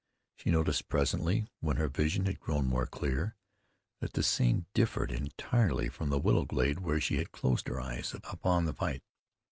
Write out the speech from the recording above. She noticed presently, when her vision had grown more clear, that the scene differed entirely from the willow glade where she had closed her eyes upon the fight.